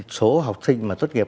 số học sinh mà tốt nghiệp